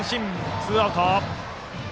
ツーアウト。